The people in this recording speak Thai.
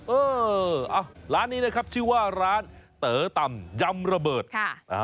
เออเอาร้านนี้นะครับชื่อว่าร้านเต๋อต่ำยำระเบิดค่ะ